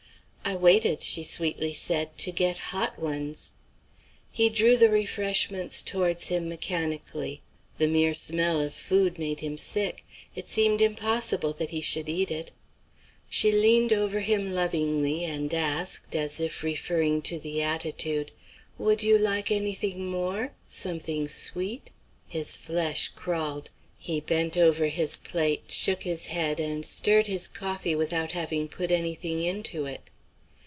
"I waited," she sweetly said, "to get hot ones." He drew the refreshments towards him mechanically. The mere smell of food made him sick. It seemed impossible that he should eat it. She leaned over him lovingly and asked, as if referring to the attitude, "Would you like any thing more? something sweet?" His flesh crawled. He bent over his plate, shook his head, and stirred his coffee without having put any thing into it.